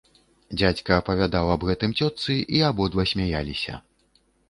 Дзядзька апавядаў аб гэтым цётцы, і абодва смяяліся.